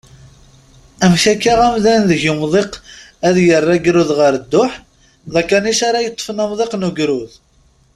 Amek akka amdan deg umḍiq ad yerr agrud ɣer dduḥ, d akanic ara yeṭṭfen amḍiq n ugrud?